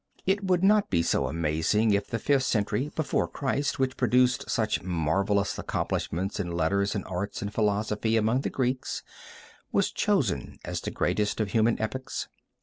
It would be not so amazing if the fifth century before Christ, which produced such marvelous accomplishments in letters and art and philosophy among the Greeks, was chosen as the greatest of human epochs.